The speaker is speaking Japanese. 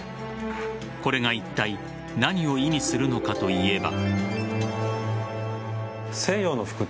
これがいったい何を意味するのかといえば。